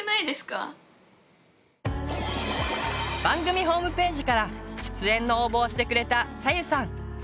番組ホームページから出演の応募をしてくれたさゆさん。